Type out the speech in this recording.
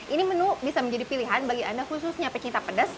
ini menu bisa menjadi pilihan bagi anda khususnya pecinta pedas